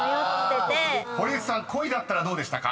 ［堀内さん『恋』だったらどうでしたか？］